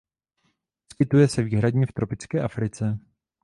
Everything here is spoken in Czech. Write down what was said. Vyskytuje se výhradně v tropické Africe.